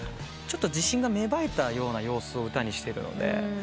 ちょっと自信が芽生えたような様子を歌にしてるので。